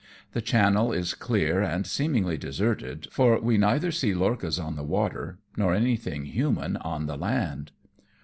The channel is clear and seemingly deserted, for we neither see lorchas on the water nor anything human on the land.